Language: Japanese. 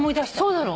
そうなの。